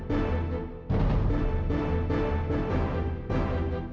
anda kaya burak juga kali